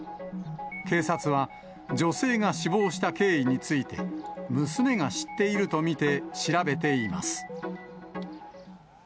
警察は、女性が死亡した経緯について、娘が知っていると見て調べています。